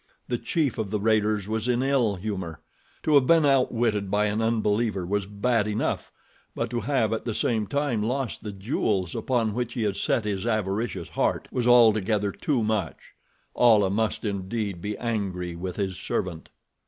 The chief of the raiders was in ill humor. To have been outwitted by an unbeliever was bad enough; but to have, at the same time, lost the jewels upon which he had set his avaricious heart was altogether too much—Allah must, indeed be angry with his servant.